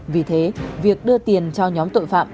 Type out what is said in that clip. vì thế việc đưa tiền cho nhóm tội phạm